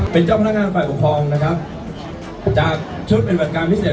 เป็นเจ้าพนักงานฝ่ายประพรองด์จากชุดเป็นประการพิเศษ